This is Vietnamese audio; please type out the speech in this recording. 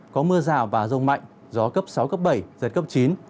có mưa rào và rông mạnh gió cấp sáu cấp bảy giật cấp chín